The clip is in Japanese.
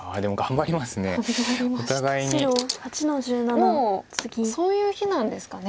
もうそういう日なんですかね。